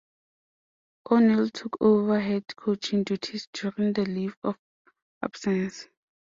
O'Neill took over head-coaching duties during the leave of absence.